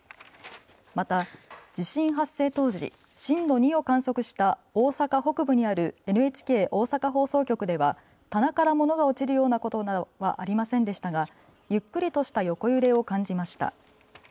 また、地震発生当時、震度２を観測した大阪北部にあるＮＨＫ大阪放送局では棚から物が落ちるようなことなどはありませんでしたがゆっくりとした横揺れを感じました。